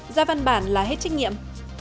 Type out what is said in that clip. gia văn bản là hết trách nhiệm